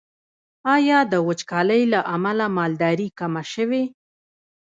آیا د وچکالۍ له امله مالداري کمه شوې؟